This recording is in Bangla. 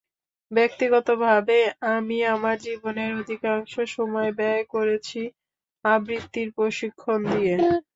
ব্যক্তিগতভাবে আমি আমার জীবনের অধিকাংশ সময় ব্যয় করেছি আবৃত্তির প্রশিক্ষণ দিয়ে।